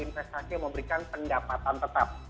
investasi yang memberikan pendapatan tetap